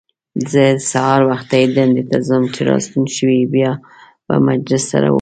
زه سهار وختي دندې ته ځم، چې راستون شوې بیا به مجلس سره وکړو.